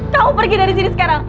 kau pergi dari sini sekarang